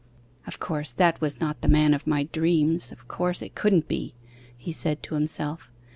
'Of course, that was not the man of my dreams of course, it couldn't be!' he said to himself.